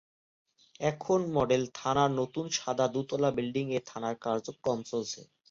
এখন মডেল থানার নতুন সাদা দু’তলা বিল্ডিং-এ থানার কার্যক্রম চলছে।